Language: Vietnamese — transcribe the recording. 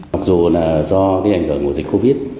học dụ là do tiến hành gọi ngụ dịch covid